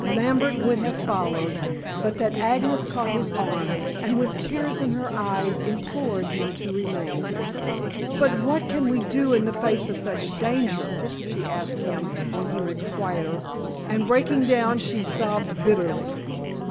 Lambert would have followed, but that Agnes caught his arm, and with tears in her eyes implored him to remain. "But what can we do in the face of such danger?" she asked him when he was quieter, and breaking down, she sobbed bitterly.